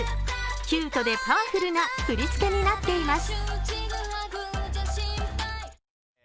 キュートでパワフルな振り付けになっています。